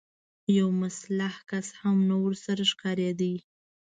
يو مسلح کس هم نه ورسره ښکارېده.